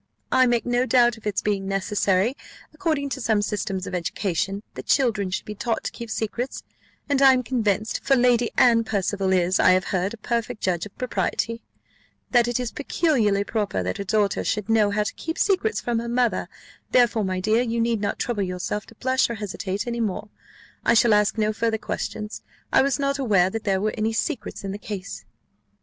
I make no doubt of its being necessary, according to some systems of education, that children should be taught to keep secrets; and I am convinced (for Lady Anne Percival is, I have heard, a perfect judge of propriety) that it is peculiarly proper that a daughter should know how to keep secrets from her mother: therefore, my dear, you need not trouble yourself to blush or hesitate any more I shall ask no farther questions: I was not aware that there was any secret in the case."